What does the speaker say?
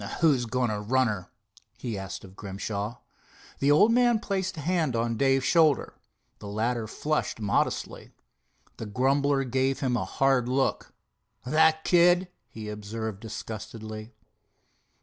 "Who's going to run her?" he asked of Grimshaw. The old man placed a hand on Dave's shoulder. The latter flushed modestly. The grumbler gave him a hard look. "That kid?" he observed disgustedly.